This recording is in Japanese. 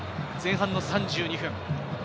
前半の３２分。